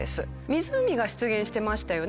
湖が出現してましたよね。